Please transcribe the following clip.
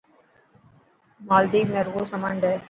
مالديپ ۾ رگو سمنڊ هي.